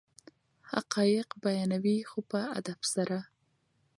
حقایق بیانوي خو په ادب سره.